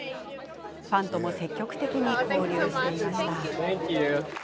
ファンとも積極的に交流していました。